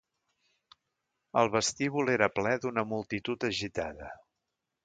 El vestíbul era ple d'una multitud agitada